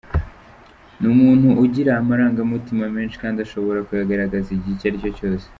Ni umuntu ugira amarangamutima menshi kandi ashobora kuyagaragaza igihe icyo aricyo cyose.